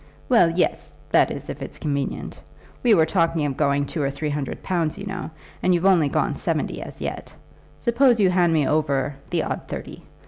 "Well, yes; that is, if it's convenient. We were talking of going two or three hundred pounds, you know, and you've only gone seventy as yet. Suppose you hand me over the odd thirty.